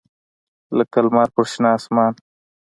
لکه لمر په شنه اسمان